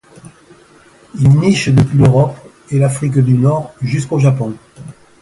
Il niche depuis l'Europe et l'Afrique du Nord jusqu'au Japon.